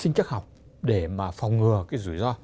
chúng ta đã áp dụng sinh chất học để mà phòng ngừa cái rủi ro